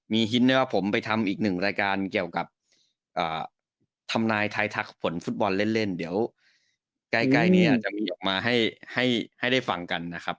มีฮินด้วยว่าผมไปทำอีกหนึ่งรายการเกี่ยวกับทำนายไทยทักผลฟุตบอลเล่นเดี๋ยวใกล้นี้อาจจะมีออกมาให้ได้ฟังกันนะครับ